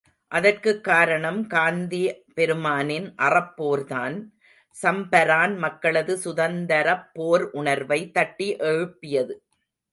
அதற்குக் காரணம் காந்தி பெருமானின் அறப்போர்தான், சம்பரான் மக்களது சுதந்தரப் போர் உணர்வை தட்டி எழுப்பியது.